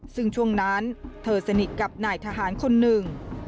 ซึ่งช่วงนั้นเธอสนิทกับนายทหารคนหนึ่ง